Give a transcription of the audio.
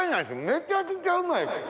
めちゃくちゃうまい！